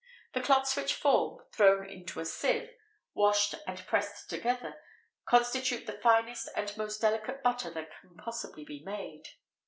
The clots which form, thrown into a sieve, washed and pressed together, constitute the finest and most delicate butter that can possibly be made.